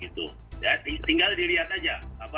tinggal dilihat saja